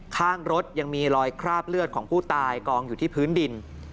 ข้างรถยังมีรอยคราบเลือดของผู้ตายกองอยู่ที่พื้นดิน